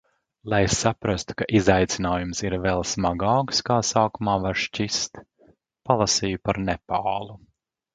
Lai saprastu, ka izaicinājums ir vēl smagāks, kā sākumā var šķist. Palasīju par Nepālu.